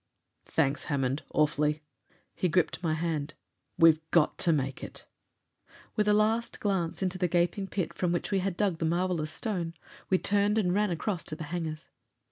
"Thanks, Hammond. Awfully!" He gripped my hand. "We've got to make it!" With a last glance into the gaping pit from which we had dug the marvelous stone, we turned and ran across to the hangars.